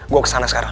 gue kesana sekarang